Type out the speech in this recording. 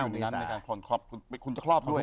คนที่อยู่ด้านนั้นในการขอบคุณ